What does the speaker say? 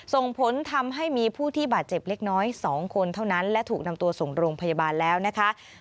ส่งผลทำให้มีผู้ที่บาดเจ็บเล็กน้อย๒คนเท่านั้นและถูกนำตัวส่งโรงพยาบาลแล้วนะคะ